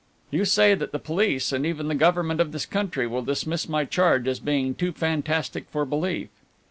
"You say that the police and even the government of this country will dismiss my charge as being too fantastic for belief.